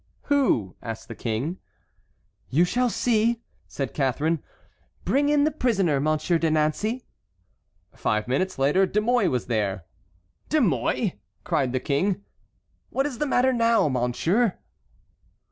"Who?" asked the King. "You shall see," said Catharine. "Bring in the prisoner, Monsieur de Nancey." Five minutes later De Mouy was there. "De Mouy!" cried the King; "what is the matter now, monsieur?"